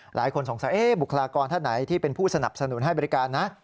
หลายคนสงสัยบุคลากรท่านไหนที่เป็นผู้สนับสนุนให้บริการนะ